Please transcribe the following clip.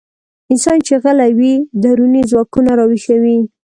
انسان چې غلی وي، دروني ځواکونه راويښوي.